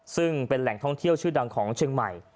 ซึ่งเป็นแหล่งท่องเที่ยวชื่อดังของเชียงใหม่